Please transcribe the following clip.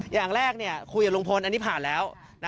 อย่างแรกคุยกับลุงพลอันนี้ผ่านแล้ว